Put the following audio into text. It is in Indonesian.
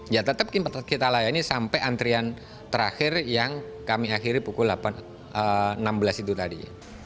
ya tetap kita layani sampai antrian terakhir yang kami akhiri pukul enam belas itu tadi